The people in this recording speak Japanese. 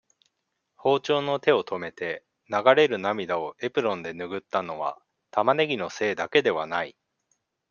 包丁の手を止めて、流れる涙をエプロンでぬぐったのは、タマネギのせいだけではない。